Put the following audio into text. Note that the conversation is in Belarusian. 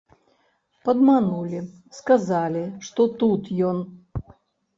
Падманулі, сказалі, што тут ён.